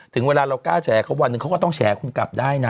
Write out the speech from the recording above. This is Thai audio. ถึงเวลาเรากล้าแฉเขาวันหนึ่งเขาก็ต้องแฉคุณกลับได้นะ